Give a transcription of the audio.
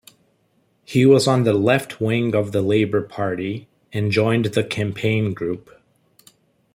He was on the left-wing of the Labour Party, and joined the Campaign Group.